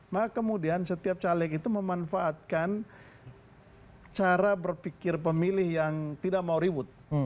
maka kemudian setiap caleg itu memanfaatkan cara berpikir pemilih yang tidak mau ribut